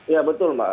ya betul pak